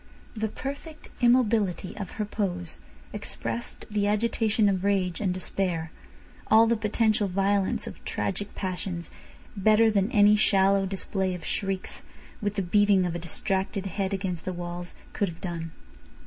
The perfect immobility of her pose expressed the agitation of rage and despair, all the potential violence of tragic passions, better than any shallow display of shrieks, with the beating of a distracted head against the walls, could have done.